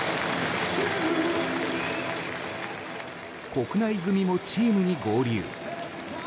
国内組もチームに合流。